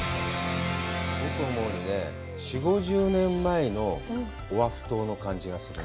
僕、思うのはね、４０５０年前のオアフ島の感じがするね。